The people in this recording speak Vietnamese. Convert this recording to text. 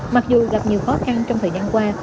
mặc dù gặp nhiều khó khăn trong thời gian qua